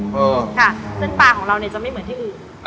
ค่ะเส้นปลาของเราเนี่ยจะไม่เหมือนที่อื่น